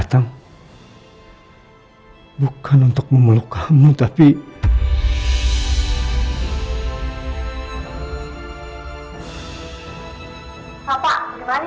pak pak kembali kejelasannya pak